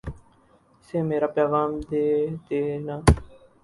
اسے میرا پیغام دے دینا